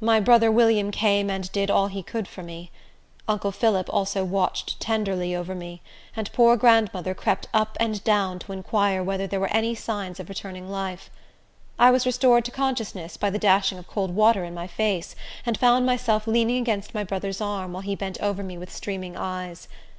My brother William came and did all he could for me. Uncle Phillip also watched tenderly over me; and poor grandmother crept up and down to inquire whether there were any signs of returning life. I was restored to consciousness by the dashing of cold water in my face, and found myself leaning against my brother's arm, while he bent over me with streaming eyes.